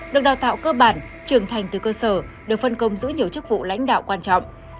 được đào tạo cơ bản trưởng thành từ cơ sở được phân công giữ nhiều chức vụ lãnh đạo quan trọng